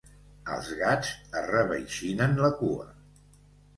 Els gats arreveixinen la cua.